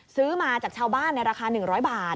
ซื้อมาจากชาวบ้านในราคา๑๐๐บาท